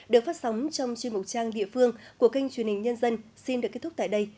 được phát sóng trong chuyên mục trang địa phương của kênh truyền hình nhân dân xin được kết thúc tại đây